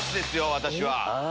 私は。